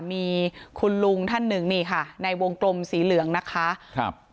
มีคุณลุงท่านหนึ่งนี่ค่ะในวงกลมสีเหลืองนะคะครับ